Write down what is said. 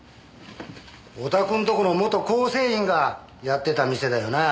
おたくんとこの元構成員がやってた店だよな？